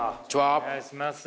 お願いします。